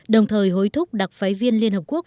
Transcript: đồng thời hối thúc đặc phái viên liên hợp quốc